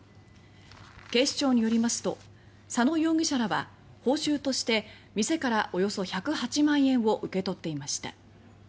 警視庁によりますと佐野容疑者らは報酬として店からおよそ１０８万円を受け取っていました。